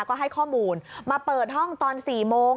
ก็ให้ข้อมูลมาเปิดห้องตอน๔โมง